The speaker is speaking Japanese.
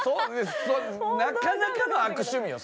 なかなかの悪趣味よそれって。